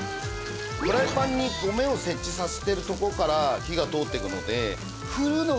フライパンに米を設置させてるとこから火が通ってくので振るのがね